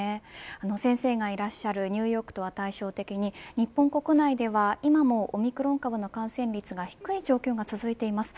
先生がいらっしゃるニューヨークとは対照的に日本国内では今もオミクロン株の感染率が低い状況が続いています。